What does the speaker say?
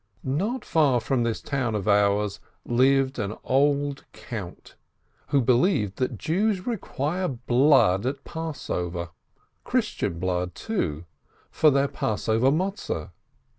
Not far from this town of ours lived an old Count, who believed that Jews require blood at Passover, Christian blood, too, for their Passover cakes.